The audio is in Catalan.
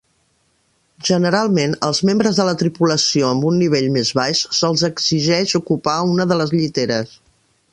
Generalment, els membres de la tripulació amb un nivell més baix se'ls exigeix ocupar una de les lliteres.